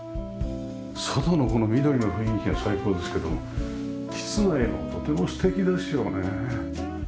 外のこの緑の雰囲気が最高ですけども室内もとても素敵ですよね。